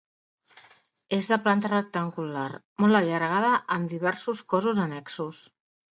És de planta rectangular, molt allargada, amb diversos cossos annexos.